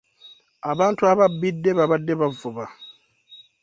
Abantu ababbidde baabadde bavuba.